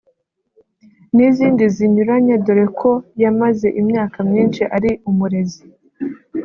n’izindi zinyuranye dore ko yamaze imyaka myinshi ari umurezi